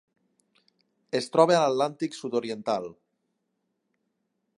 Es troba a l'Atlàntic sud-oriental: